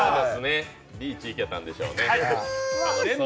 リーチいけたんでしょうね。